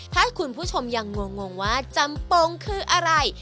ถ้าคุณผู้ชมยังงงว่าจำปงคืออะไร